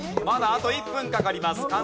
まだあと１分かかります。